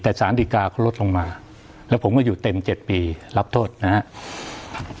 แต่สารดีกาเขาลดลงมาแล้วผมก็อยู่เต็ม๗ปีรับโทษนะครับ